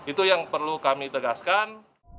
itu yang perlu kami tegaskan